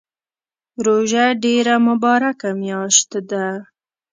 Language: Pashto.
روژه ډیره مبارکه میاشت ده